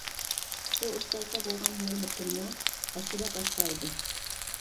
بۇ ئۇستازغا بولغان ھۆرمىتىممۇ ھەسسىلەپ ئاشقان ئىدى.